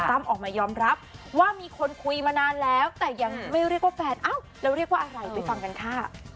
ออกมายอมรับว่ามีคนคุยมานานแล้วแต่ยังไม่เรียกว่าแฟนเอ้าแล้วเรียกว่าอะไรไปฟังกันค่ะ